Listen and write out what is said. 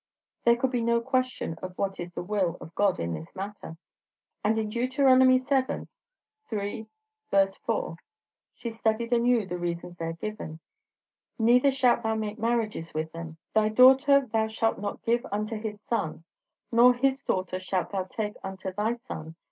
There could be no question of what is the will of God in this matter. And in Deut. vii. 3, 4, she studied anew the reasons there given. "Neither shalt thou make marriages with them; thy daughter thou shalt not give unto his son, nor his daughter shalt thou take unto thy son.